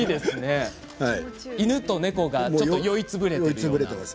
犬と猫が酔いつぶれている。